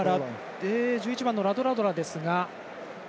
１１番のラドラドラですが。